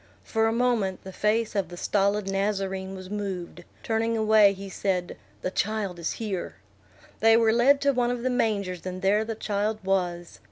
For a moment the face of the stolid Nazarene was moved; turning away, he said, "The child is here." They were led to one of the mangers, and there the child was.